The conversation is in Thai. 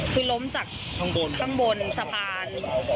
คือล้มจากทางบนสะพาน